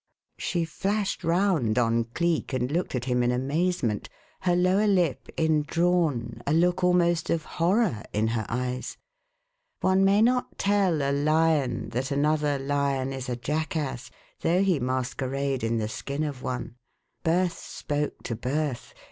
She flashed round on Cleek and looked at him in amazement, her lower lip indrawn, a look almost of horror in her eyes. One may not tell a lion that another lion is a jackass, though he masquerade in the skin of one. Birth spoke to Birth.